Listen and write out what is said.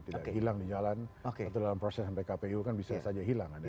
tidak hilang di jalan atau dalam proses sampai kpu kan bisa saja hilang ada